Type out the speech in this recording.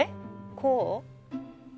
こう？